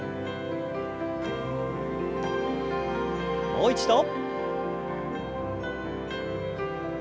もう一度。